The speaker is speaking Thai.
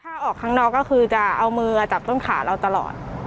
ถ้าออกข้างนอกก็คือจะเอามือจับต้นขาเราตลอด